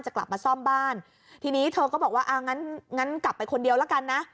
จะกลับมาซ่อมบ้านทีนี้เธอก็บอกว่างั้นกลับไปคนเดียวละกันนะ